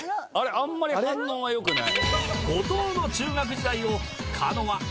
あんまり反応はよくない。